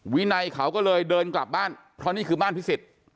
วินัยเขาก็เลยเดินกลับบ้านเพราะนี่คือบ้านพิสิทธิ์